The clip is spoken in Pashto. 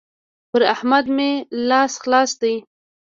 پر احمد مې لاس خلاص دی.